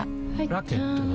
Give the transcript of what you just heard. ラケットは？